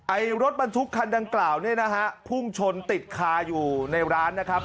รถบรรทุกคันดังกล่าวเนี่ยนะฮะพุ่งชนติดคาอยู่ในร้านนะครับ